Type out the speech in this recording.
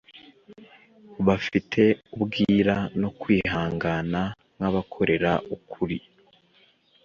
bafite ubwira no kwihangana nkabakorera ukuri